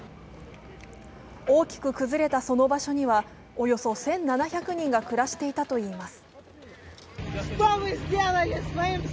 大きく崩れたその場所にはおよそ１７００人が暮らしていたといいます。